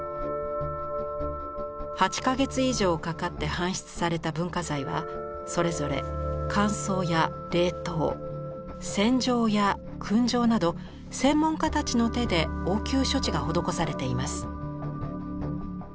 ８か月以上かかって搬出された文化財はそれぞれ乾燥や冷凍洗浄やくん蒸など専門家たちの手で応急処置が施されています。